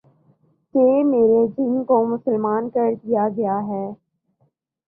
کہ میرے جن کو مسلمان کر دیا گیا ہے